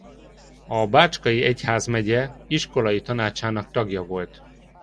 A Bácskai Egyházmegye iskolai tanácsának tagja volt.